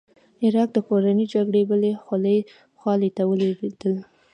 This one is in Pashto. عراق د کورنۍ جګړې بلا خولې ته ولوېد.